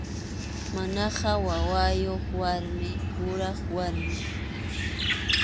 Mamaqa wawayuq warmi, kuraq warmim.